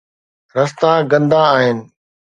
رستا گندا آهن